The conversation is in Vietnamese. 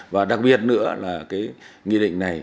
và đặc biệt nữa là cái nghị định này